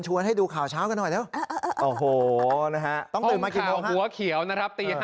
ให้ดูข่าวเช้ากันหน่อยเร็วโอ้โหนะฮะต้องตื่นมาหัวเขียวนะครับตี๕